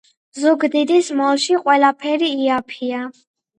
ზუგდიდის მოლში ყველაფერი იაფია